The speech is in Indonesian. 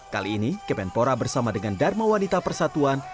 kali ini kementerian pemuda dan olahraga bersama dengan dharma wanita persatuan